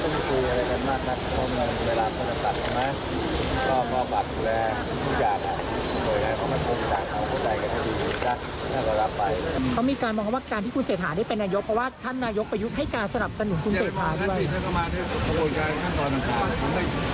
ยังไม่ได้เป็นนายกเพราะว่าท่านนายกประยุทธ